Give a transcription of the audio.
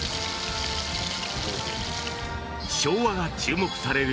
昭和が注目される